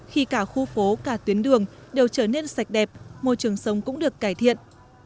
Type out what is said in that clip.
khi cả khu phố cả tuyến đường đều trở nên sạch đẹp môi trường sống cũng được cải thiện